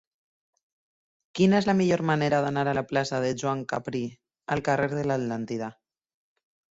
Quina és la millor manera d'anar de la plaça de Joan Capri al carrer de l'Atlàntida?